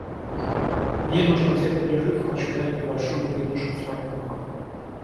Мне нужно взять перерыв, хочу дать небольшую передышку своим рукам.